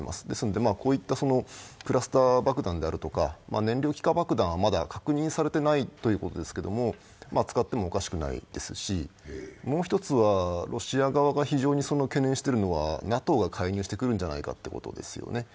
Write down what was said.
ですので、こういったクラスター爆弾であるとか燃料気化爆弾はまだ確認されていないということですけれども、使ってもおかしくないですし、もう１つはロシア側が非常に懸念してるのはＮＡＴＯが介入してくるんじゃないかということです。